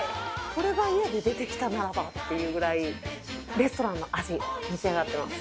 これが家で出てきたならばっていうぐらいレストランの味に仕上がってます。